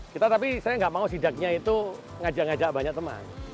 kita tapi saya tidak mau sidaknya itu mengajak engajak banyak teman